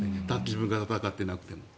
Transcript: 自分が戦っていなくても。